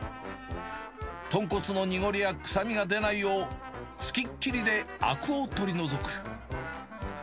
豚骨の濁りや臭みが出ないよう、付きっきりであくを取り除く。